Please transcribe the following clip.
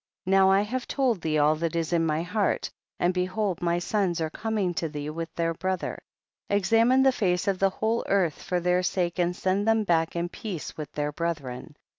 41. Now r have told thee all that is in my heart, and behold my sons are coming to thee with their bro ther, examine the face of the whole earth for their sake and send them back in peace with their brethren.